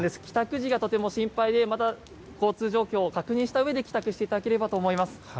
帰宅時がとても心配でまた、交通状況を確認したうえで帰宅していただければと思います。